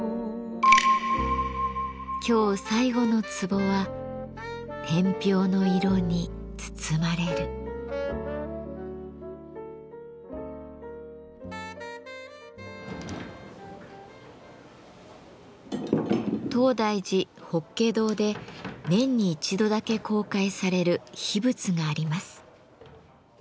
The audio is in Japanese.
今日最後のツボは東大寺法華堂で年に一度だけ公開される秘仏があります。